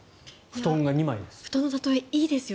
布団が２枚です。